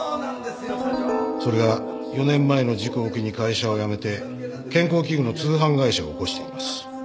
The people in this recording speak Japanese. それが４年前の事故を機に会社を辞めて健康器具の通販会社を興しています。